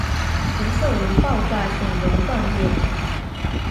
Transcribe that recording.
无色无爆炸性油状液体。